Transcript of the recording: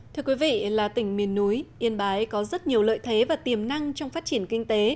thưa quý vị là tỉnh miền núi yên bái có rất nhiều lợi thế và tiềm năng trong phát triển kinh tế